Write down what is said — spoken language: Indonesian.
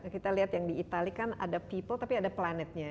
kita lihat yang di itali kan ada people tapi ada planetnya